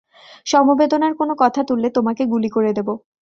সমবেদনার কোনো কথা তুললে, তোমাকে গুলি করে দেবো।